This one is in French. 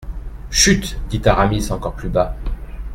Chut ! dit Aramis encore plus bas.